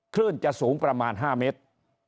คลื่นจะสูงประมาณ๕เมตร